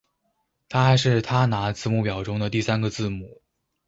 它还是它拿字母表中的第三个字母。